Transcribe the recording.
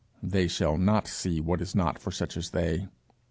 They shall not see what is not for such as they.